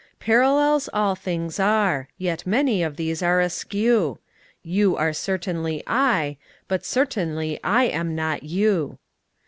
Parallels all things are: yet many of these are askew: You are certainly I: but certainly I am not you.